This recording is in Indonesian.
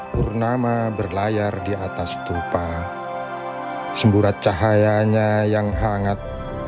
purnama berlayar di atas tupa semburat cahayanya yang hangat